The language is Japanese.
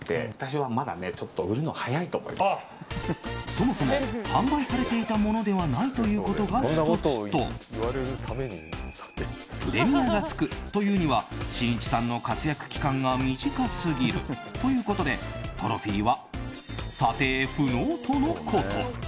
そもそも販売されていた物ではないということが１つとプレミアがつくというにはしんいちさんの活躍期間が短すぎるということでトロフィーは査定不能とのこと。